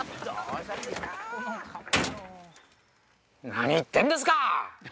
何言ってんですか！